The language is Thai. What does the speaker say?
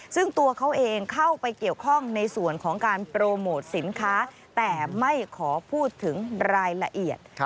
ซึ่งตัวเขาเองเข้าไปเกี่ยวข้องในส่วนของการโปรโมทสินค้าแต่ไม่ขอพูดถึงรายละเอียด